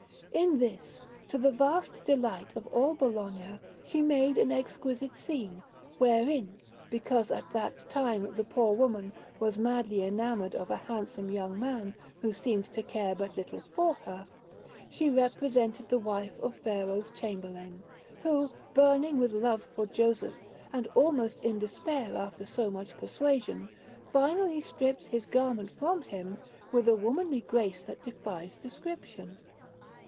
In this, to the vast delight of all Bologna, she made an exquisite scene, wherein because at that time the poor woman was madly enamoured of a handsome young man, who seemed to care but little for her she represented the wife of Pharaoh's Chamberlain, who, burning with love for Joseph, and almost in despair after so much persuasion, finally strips his garment from him with a womanly grace that defies description.